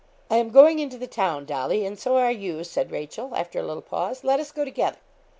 'I am going into the town, Dolly, and so are you,' said Rachel, after a little pause. 'Let us go together.'